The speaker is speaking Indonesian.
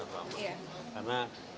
karena berhubungan dengan banyak lembaga